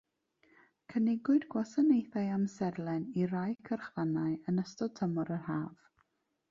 Cynigiwyd gwasanaethau amserlen i rai cyrchfannau yn ystod tymor yr haf.